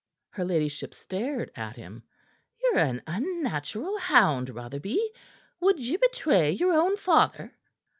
Her ladyship stared at him. "Ye're an unnatural hound, Rotherby. Would ye betray your own father?"